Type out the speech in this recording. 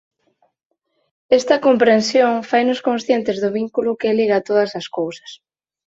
Esta comprensión fainos conscientes do vínculo que liga todas as cousas.